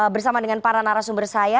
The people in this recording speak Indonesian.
bersama dengan para narasumber saya